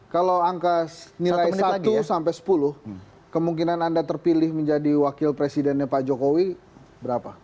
kalau angka nilai satu sampai sepuluh kemungkinan anda terpilih menjadi wakil presidennya pak jokowi berapa